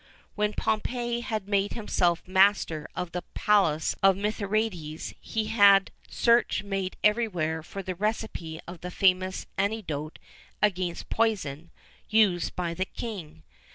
[XIV 24] When Pompey had made himself master of the palace of Mithridates, he had search made everywhere for the recipe of the famous antidote against poison used by that king.